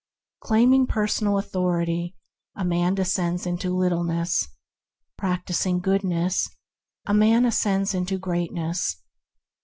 Asserting personal authority, a man de scends into littleness; practising goodness, a man ascends into greatness.